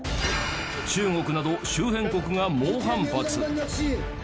中国など周辺国が猛反発。